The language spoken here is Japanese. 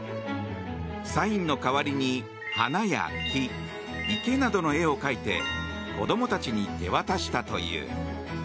サインの代わりに花や木池などの絵を描いて子供たちに手渡したという。